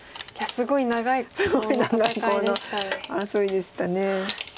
すごい長いコウの争いでした。